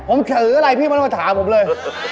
ผมถืออะไรพี่ไม่ต้องมาถามผมเลย